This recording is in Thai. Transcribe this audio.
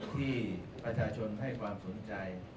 ที่ประชาชนให้ความสนใจ